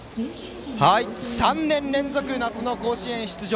３年連続、夏の甲子園出場。